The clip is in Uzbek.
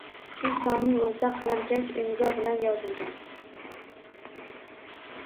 Shu sonning o'zida “Qalamkash” imzosi bilan yozilgan